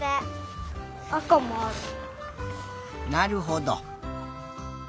なるほど。